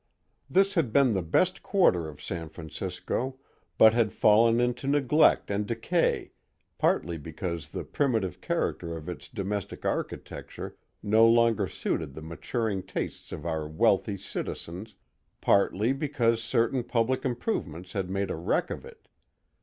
This had been the best quarter of San Francisco, but had fallen into neglect and decay, partly because the primitive character of its domestic architecture no longer suited the maturing tastes of our wealthy citizens, partly because certain public improvements had made a wreck of it.